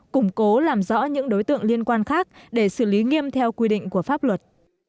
củng cố làm rõ những đối tượng liên quan khác để xử lý nghiêm theo quy định của pháp luật